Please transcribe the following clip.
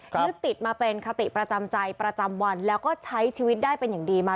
ยึดติดมาเป็นคติประจำใจประจำวันแล้วก็ใช้ชีวิตได้เป็นอย่างดีมา